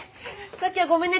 さっきはごめんね。